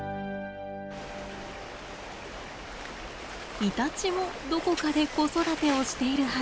イタチもどこかで子育てをしているはず。